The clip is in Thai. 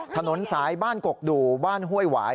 ถนนสายบ้านกกดูบ้านห้วยหวาย